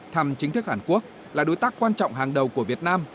thăm chính thức hàn quốc là đối tác quan trọng hàng đầu của việt nam